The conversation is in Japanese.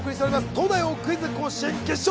東大王クイズ甲子園決勝。